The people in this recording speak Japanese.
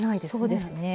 そうですね